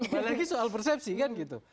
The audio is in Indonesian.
lagi lagi soal persepsi kan gitu